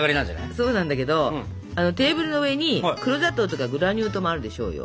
そうなんだけどテーブルの上に黒砂糖とかグラニュー糖もあるでしょうよ？